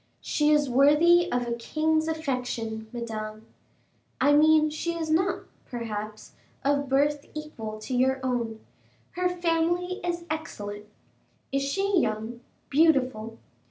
"She is worthy of a king's affection, Madame." "I mean, she is not, perhaps, of birth equal to your own." "Her family is excellent." "Is she young, beautiful?"